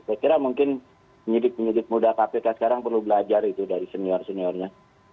saya kira mungkin penyidik penyidik muda kpk sekarang perlu belajar itu dari senior seniornya